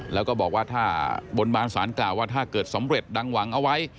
แล้วก็บอกว่าถ้าบนบานสารกล่าวว่าถ้าเกิดสำเร็จดังหวังเอาไว้